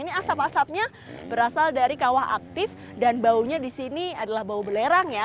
ini asap asapnya berasal dari kawah aktif dan baunya di sini adalah bau belerang ya